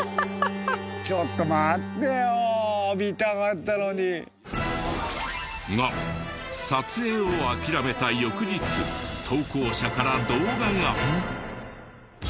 ちょっと待ってよ見たかったのに。が撮影を諦めた翌日投稿者から動画が！